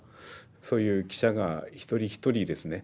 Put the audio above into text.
そういう記者が一人一人ですね